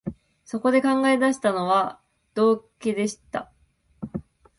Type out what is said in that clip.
そこで考え出したのは、道化でした